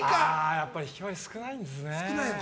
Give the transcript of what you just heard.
やっぱりひきわり少ないんですね。